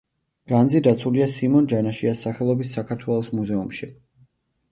განძი დაცულია სიმონ ჯანაშიას სახელობის საქართველოს მუზეუმში.